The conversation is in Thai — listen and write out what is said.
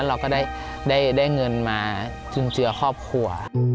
เราก็ได้เงินมาจุนเจือครอบครัว